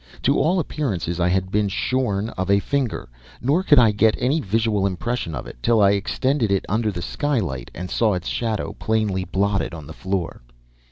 To all appearances I had been shorn of a finger; nor could I get any visual impression of it till I extended it under the skylight and saw its shadow plainly blotted on the floor.